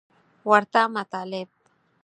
ورته مطالب